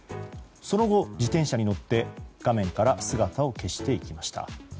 その後、自転車に乗って画面から姿を消していきました。